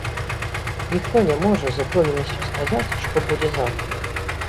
Ніхто не можа з упэўненасцю сказаць, што будзе заўтра.